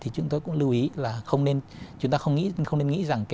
chúng ta không nên nghĩ rằng